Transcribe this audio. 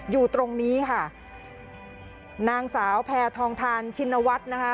อยู่ตรงนี้ค่ะนางสาวแพทองทานชินวัฒน์นะคะ